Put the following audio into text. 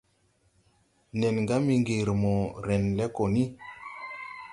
Nen ga Miŋgiri mo ren le gɔ ni.